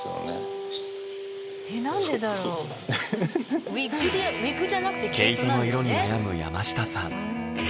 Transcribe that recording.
うん毛糸の色に悩む山下さん